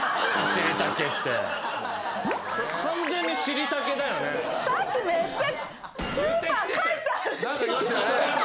完全に「しりたけ」だよね。さっきめっちゃ。